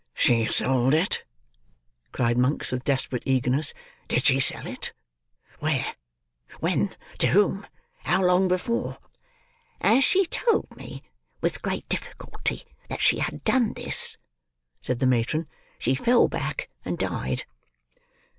"She sold it," cried Monks, with desperate eagerness; "did she sell it? Where? When? To whom? How long before?" "As she told me, with great difficulty, that she had done this," said the matron, "she fell back and died."